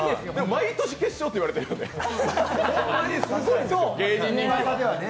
毎年決勝って言われてるよね。